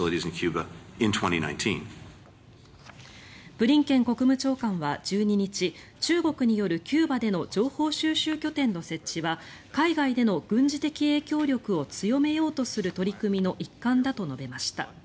ブリンケン国務長官は１２日中国によるキューバでの情報収集拠点の設置は海外での軍事的影響力を強めようとする取り組みの一環だと述べました。